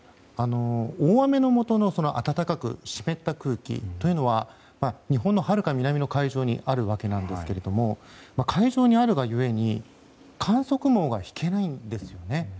大雨のもとの暖かく湿った空気というのは日本のはるか南の海上にあるわけですが海上にあるが故に観測網が引けないんですよね。